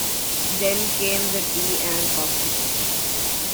Then came the tea and coffee.